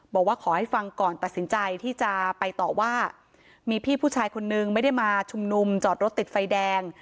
บอกว่าขอให้ฟังก่อนตัดสินใจที่จะไปต่อว่ามีพี่ผู้ชายคนนึงไม่ได้มาชุมนุมจอดรถติดไฟแดง